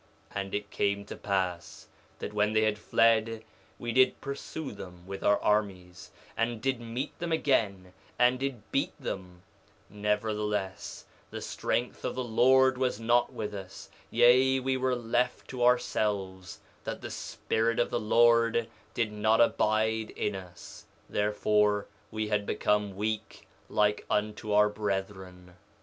2:26 And it came to pass that when they had fled we did pursue them with our armies, and did meet them again, and did beat them; nevertheless the strength of the Lord was not with us; yea, we were left to ourselves, that the Spirit of the Lord did not abide in us; therefore we had become weak like unto our brethren.